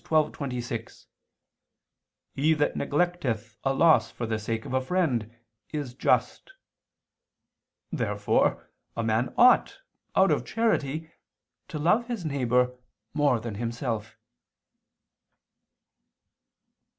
12:26: "He that neglecteth a loss for the sake of a friend, is just." Therefore a man ought, out of charity, to love his neighbor more than himself.